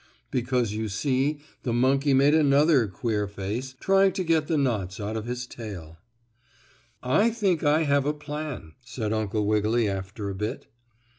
because you see the monkey made another queer face trying to get the knots out of his tail. "I think I have a plan," said Uncle Wiggily after a bit.